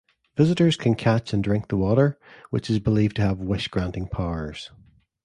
Visitors can catch and drink the water, which is believed to have wish-granting powers.